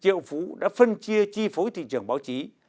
triệu phú đã phân chia chi phối thị trường báo chí